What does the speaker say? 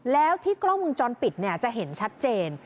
แล้วที่กล้องมุมจรปิดจะเห็นชัดเจน